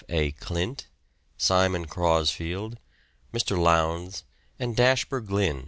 A. Clint, Simon Crosfield, Mr. Lowndes, and Dashper Glynn.